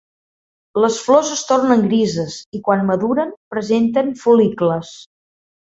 Les flors es tornen grises i quan maduren presenten fol·licles.